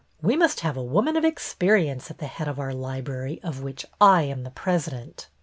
We must have a woman of experience at the head of our library of which I am the president."